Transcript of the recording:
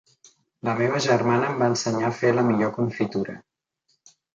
La meva germana em va ensenyar a fer la millor confitura.